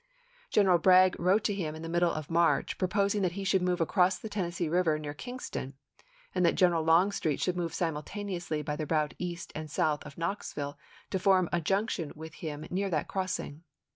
General Bragg wrote to him in the middle of March proposing that he should move across the Tennessee Eiver near Kingston, and that General Longstreet should move simultaneously by the route east and south of Knoxville to form a junc tion with him near that crossing.